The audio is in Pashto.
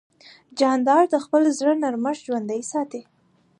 جانداد د خپل زړه نرمښت ژوندی ساتي.